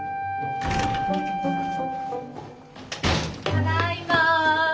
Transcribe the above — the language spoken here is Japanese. ・ただいま。